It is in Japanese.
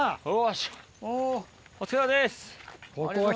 お疲れさまです。